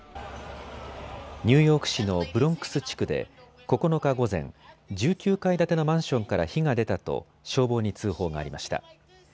ニューヨーク市のブロンクス地区で９日午前、１９階建てのマンションから火が出たと消防に通報がありました。